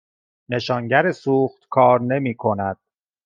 نشانگر سوخت کار نمی کند.